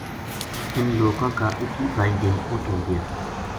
اِن لوکاں کا اِکّی بائی دن اُت ہوگیا تھا